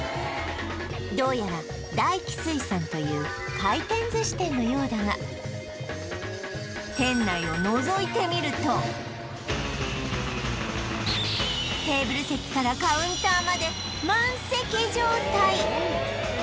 どうやら大起水産という回転寿司店のようだがテーブル席からカウンターまで満席状態